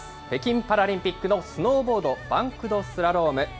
北京パラリンピックのスノーボード、バンクドスラローム。